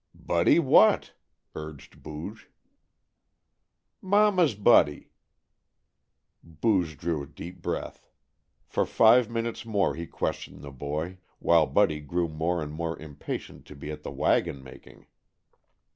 "Buddy what?" urged Booge. "Mama's Buddy." Booge drew a deep breath. For five minutes more he questioned the boy, while Buddy grew more and more impatient to be at the wagon making.